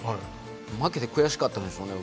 負けて悔しかったんでしょうね。